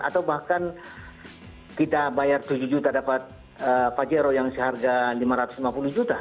atau bahkan kita bayar tujuh juta dapat pajero yang seharga lima ratus lima puluh juta